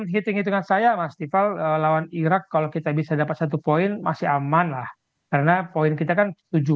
hitung hitungan saya mas tiffal lawan irak kalau kita bisa dapat satu poin masih aman lah karena poin kita kan tujuh